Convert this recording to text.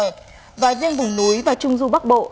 riêng khu vực vùng núi và trung du bắc bộ